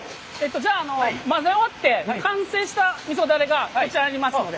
じゃあ混ぜ終わって完成したみそダレがこちらありますので。